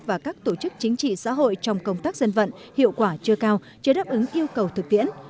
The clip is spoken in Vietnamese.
và các tổ chức chính trị xã hội trong công tác dân vận hiệu quả chưa cao chưa đáp ứng yêu cầu thực tiễn